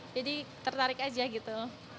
jadi tertarik aja gitu